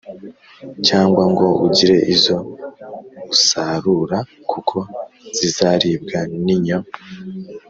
cyangwa ngo ugire izo usarura, kuko zizaribwa n’inyo.